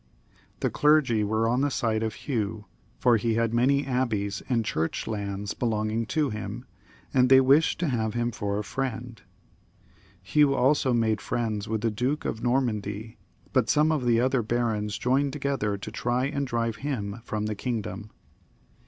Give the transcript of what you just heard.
The clergy were on the side of Hugh, for he had many abbeys and church lands belonging to him, and they wished to have him for a friend. Hugh also made friends with the Duke of Normandy, but some of the other barons joined together to try and drive him from the kingdom.